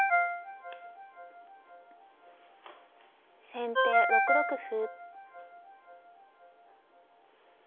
先手６六歩。